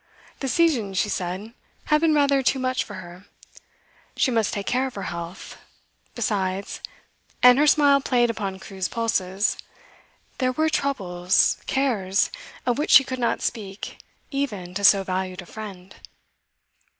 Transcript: The season, she said, had been rather too much for her; she must take care of her health; besides and her smile played upon Crewe's pulses there were troubles, cares, of which she could not speak even to so valued a friend.